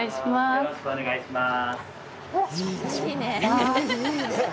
よろしくお願いします。